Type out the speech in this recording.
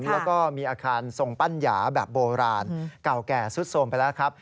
แล้วก็มีอาคารทรงปั้นหยาแบบโบราณเก่าแก่สุดโทรมไปแล้วครับ